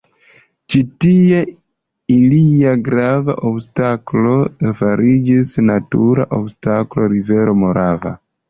Ĉi tie ilia grava obstaklo fariĝis natura obstaklo rivero Morava.